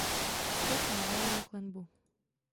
Sklep má valenou klenbu.